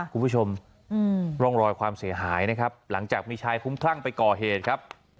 คุณผู้ชมร่องรอยความเสียหายนะครับหลังจากมีชายคุ้มคลั่งไปก่อเหตุครับ